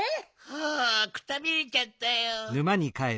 はあくたびれちゃったよ。